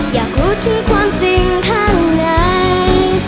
อยากรู้ถึงความจริงข้างใน